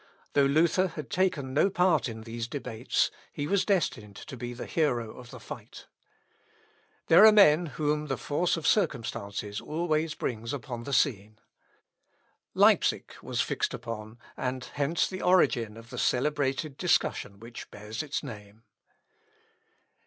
Though Luther had taken no part in these debates, he was destined to be the hero of the fight. There are men whom the force of circumstances always brings upon the scene. Leipsic was fixed upon, and hence the origin of the celebrated discussion which bears its name.